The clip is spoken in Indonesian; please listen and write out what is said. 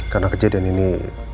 karena kejadian ini